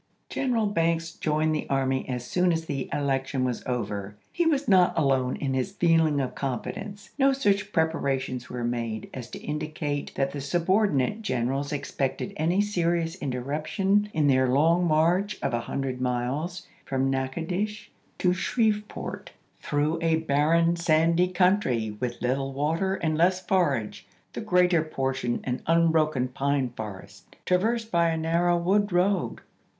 General Banks joined the army as soon as the election was over. He was not alone in his feeling of confidence. No such preparations were made as to indicate that the subordinate generals ex pected any serious interruption in their long march 292 ABRAHAM LINCOLN Chap. XI. of a hundred miles from Natchitoches to Shreve port, " through a barren, sandy country, with little water and less forage, the greater portion an un broken pine forest" traversed by a narrow wood 1864. road.